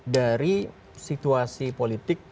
dari situasi politik